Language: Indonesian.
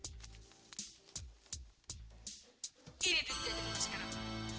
ini duit jajan gua sekarang